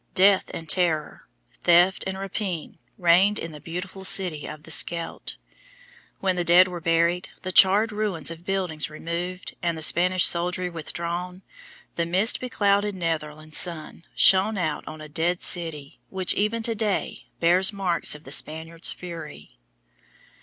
Death and terror, theft and rapine reigned in the beautiful city of the Scheldt. When the dead were buried, the charred ruins of buildings removed, and the Spanish soldiery withdrawn, the mist beclouded Netherland sun shone out on a dead city which even to day bears marks of the Spaniard's fury.